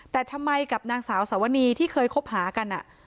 แต่ทำไมกับนางสาวสวนีที่เคยคบหากัน